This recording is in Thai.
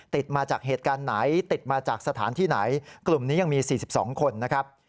ติดมาจากเหตุการณ์ไหนติดมาจากสถานที่ไหนกลุ่มนี้ยังมี๔๒คนนะครับ